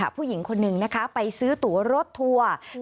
ผู้หญิงคนนึงไปซื้อตัวรถทัวร์